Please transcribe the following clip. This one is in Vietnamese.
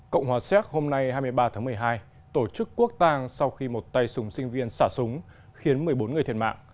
cộng hòa xéc hôm nay hai mươi ba tháng một mươi hai tổ chức quốc tàng sau khi một tay súng sinh viên xả súng khiến một mươi bốn người thiệt mạng